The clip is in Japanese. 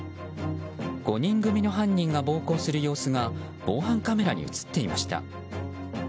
５人組の犯人が暴行する様子が防犯カメラに映っていました。